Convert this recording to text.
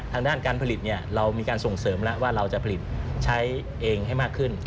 ทางด้านการผลิตเรามีการส่งเสริมแล้วว่าเราจะผลิตใช้เองให้มากขึ้น